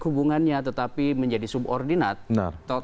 hubungannya tetapi menjadi subordinat